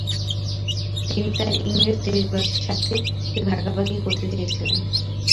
তিনি তার ইংরেজ দেশবাসীর সাথে এটি ভাগাভাগি করতে চেয়েছিলেন।